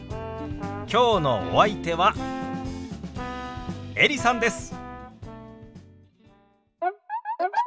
きょうのお相手はエリさんです。